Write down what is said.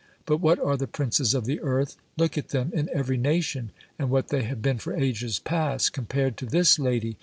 But what are the princes of the earth, look at them in every nation, and what they have been for ages past, compared to this lady?